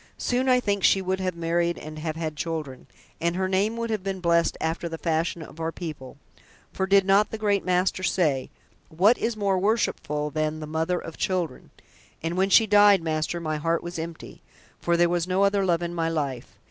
"Soon I think she would have married and have had children, and her name would have been blessed after the fashion of our people; for did not the Great Master say: 'What is more worshipful than the mother of children?' And when she died, master, my heart was empty, for there was no other love in my life.